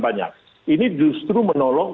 banyak ini justru menolong